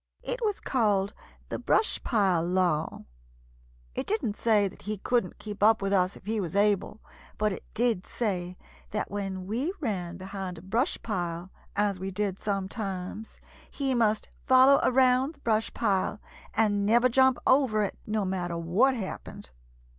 It was called the 'Brush Pile law.' It didn't say that he couldn't keep up with us if he was able, but it did say that when we ran behind a brush pile, as we did sometimes, he must follow around the brush pile and never jump over it, no matter what happened.